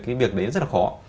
cái việc đấy rất là khó